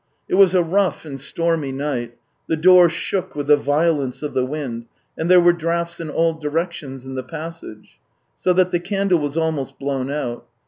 It was a rough and stormy night; the door shook with the violence of the wind, and there were draughts in all directions in the passage, so that the candle was almost blown out.